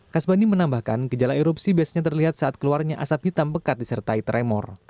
kasbani menambahkan gejala erupsi biasanya terlihat saat keluarnya asap hitam pekat disertai tremor